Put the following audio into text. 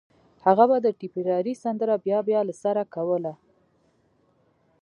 هغه به د ټيپيراري سندره بيا بيا له سره کوله